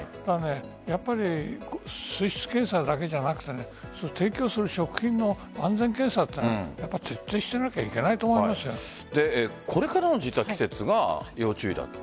やっぱり水質検査だけじゃなくて提供する食品の安全検査というのは徹底していなきゃこれからの季節が要注意だと。